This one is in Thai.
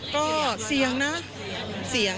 ก็เสี่ยงนะเสียง